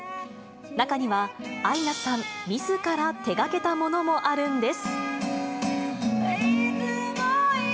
中には、アイナさんみずから手がけたものもあるんです。